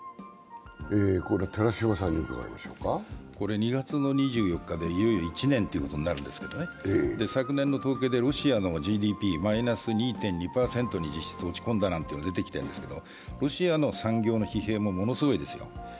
２月２４日でいよいよ一年ということになるんですけど、昨年の統計でロシアのＧＤＰ、マイナス２．２％に実質落ち込んだなんていうのが出てきてるんですが、ロシアの産業の疲弊もものすごいですよ。